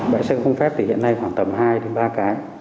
bãi xe khung phép thì hiện nay khoảng tầm hai ba cái